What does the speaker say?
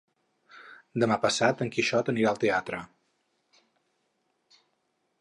Demà passat en Quixot anirà al teatre.